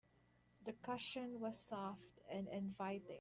The cushion was soft and inviting.